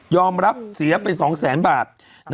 ยอมรับเสียไปสองแสนบาท